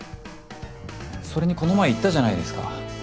それにこの前言ったじゃないですか。